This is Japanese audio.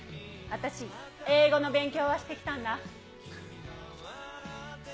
私、英語の勉強はしてきたんだ。